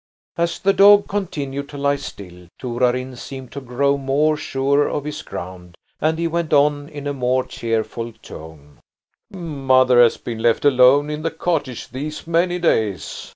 As the dog continued to lie still, Torarin seemed to grow more sure of his ground, and he went on in a more cheerful tone: "Mother has been left alone in the cottage these many days.